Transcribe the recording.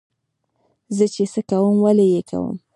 زه چې څه کوم ولې یې کوم.